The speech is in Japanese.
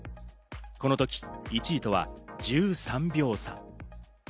このとき１位とは１３秒差。